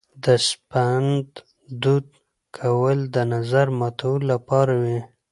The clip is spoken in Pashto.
د سپند دود کول د نظر ماتولو لپاره وي.